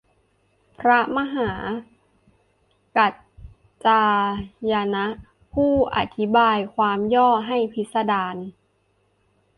พระมหากัจจายนะ ผู้อธิบายความย่อให้พิสดาร